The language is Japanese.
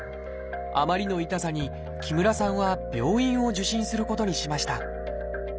あまりの痛さに木村さんは病院を受診することにしました。